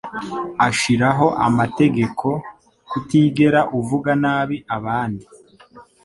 Ashiraho itegeko kutigera uvuga nabi abandi.